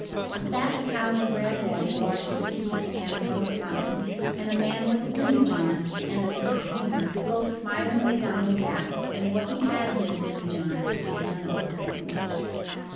A fat Italian granddaddy washes a kiddie's hand from the fountain and a man with a demijohn and a sense of humor goes smilingly down the path and what he has in the demijohn is none of our business.